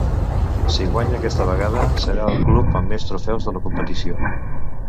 Si guanya aquesta vegada, serà el club amb més trofeus de la competició.